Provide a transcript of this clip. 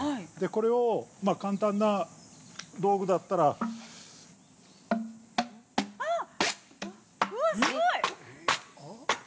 これを簡単な道具だったら◆わっ、すごい。